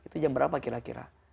itu jam berapa kira kira